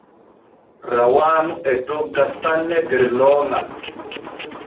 Rawaanu e dogga sanne der looŋal.